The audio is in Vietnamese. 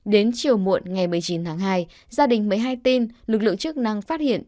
đến chiều muộn ngày một mươi chín tháng hai gia đình một mươi hai tin lực lượng chức năng phát hiện